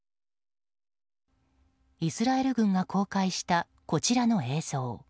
イスラエル軍が公開したこちらの映像。